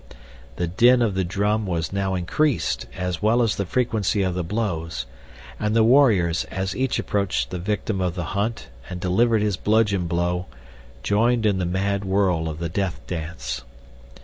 The din of the drum was now increased, as well as the frequency of the blows, and the warriors, as each approached the victim of the hunt and delivered his bludgeon blow, joined in the mad whirl of the Death Dance.